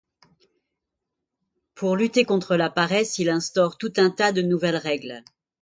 Pour lutter contre la paresse, il instaure tout un tas de nouvelles règles.